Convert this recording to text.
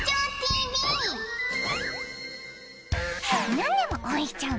・何でも応援しちゃう